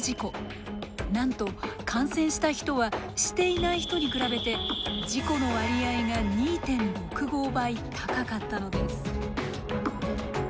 なんと感染した人はしていない人に比べて事故の割合が２．６５倍高かったのです。